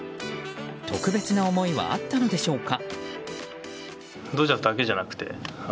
特別な思いはあったのでしょうか。